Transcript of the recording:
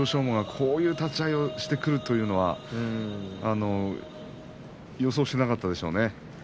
馬がこういう立ち合いをしてくるということは予想していなかったでしょうね。